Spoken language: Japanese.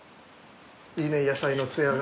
いいね野菜のつやが。